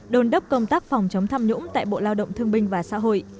đồn đốc công tác phòng chống tham nhũng tại bộ lao động thương binh và xã hội